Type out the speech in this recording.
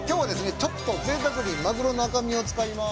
ちょっとぜいたくにマグロの赤身を使います。